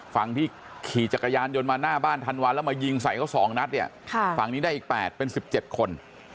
ฝั่งที่ขี่จักรยานยนต์มาหน้าบ้านธันวาแล้วมายิงใส่เขา๒นัดเนี่ยฝั่งนี้ได้อีก๘เป็น๑๗คน